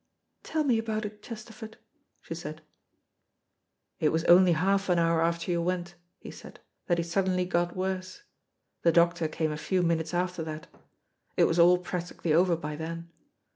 "Tell me about it, Chesterford," she said. "It was only half an hour after you went," he said, "that he suddenly got worse. The doctor came a few minutes after that. It was all practically over by then.